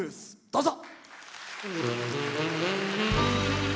どうぞ。